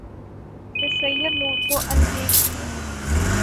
سے سید نور کو ان دیکھے